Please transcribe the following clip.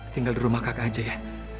tinggal di rumah kakak aja ya